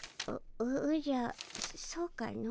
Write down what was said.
おおじゃそうかの。